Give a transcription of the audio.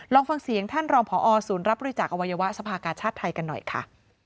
ลองฟังเสียงท่านรองพอศูนย์รับบริจาคอวัยวะสภากาชาติไทยกันหน่อยค่ะ